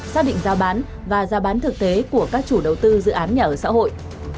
xác định giá bán và giá bán thực tế của các chủ đầu tư dự án nhà ở xã hội